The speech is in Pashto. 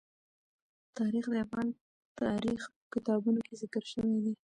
تاریخ د افغان تاریخ په کتابونو کې ذکر شوی دي.